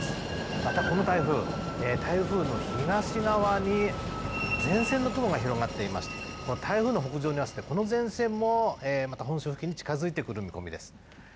またこの台風、台風の東側に前線の雲が広がっていましてこの台風の北上に合わせてこの前線もまた本州付近に近づいてくる見込みです